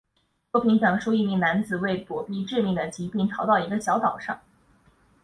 作品讲述一名男子为躲避致命的疾病逃到一个小岛上。